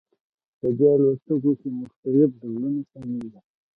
په دې الوتکو کې مختلف ډولونه شامل دي